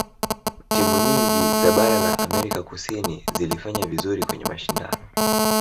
timu nyingi za bara la amerika kusini zilifanya vizuri kwenye mashindano